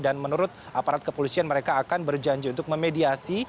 dan menurut aparat kepolisian mereka akan berjanji untuk memediasi